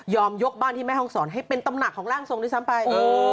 ยอมยกบ้านที่แม่โรงสรรค์ให้เป็นตำหนักของร่างทรงที่ซ้ำไป